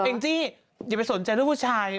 แอ้งจี้อย่าไปสนใจรูปผู้ชาย